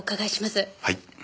はい。